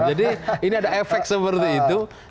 jadi ini ada efek seperti itu